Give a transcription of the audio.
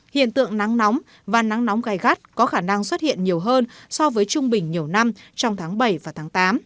hiện tượng nắng nóng và nắng nóng gai gắt có khả năng xuất hiện nhiều hơn so với trung bình nhiều năm trong tháng bảy và tháng tám